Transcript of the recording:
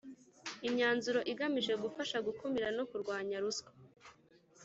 imyanzuro igamije gufasha mu gukumira no kurwanya ruswa